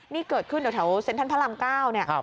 นี่เกิดขึ้นตรงแถวเซ็นต์ท่านพระรำเก้า